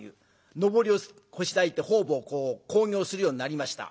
のぼりをこしらえて方々興行するようになりました。